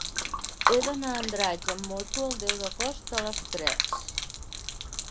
He d'anar a Andratx amb moto el deu d'agost a les tres.